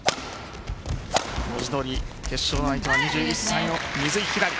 文字どおり決勝の相手は２１歳の水井ひらり。